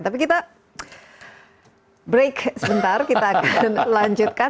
tapi kita break sebentar kita akan lanjutkan